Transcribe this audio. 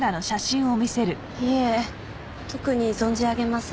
いえ特に存じ上げません。